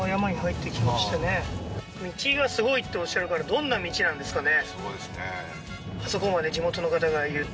道が凄いっておっしゃるからどんな道なんですかね？